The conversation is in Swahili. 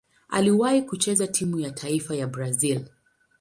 Aliwahi kucheza timu ya taifa ya Brazil.